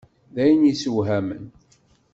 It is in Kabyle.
D ayen i issewhamen.